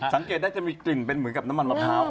สังเกตได้จะมีกลิ่นเป็นเหมือนกับน้ำมันมะพร้าว